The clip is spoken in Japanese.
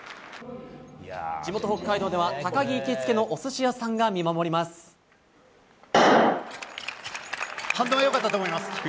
地元・北海道では高木行きつけのお寿司屋さんが見守ります。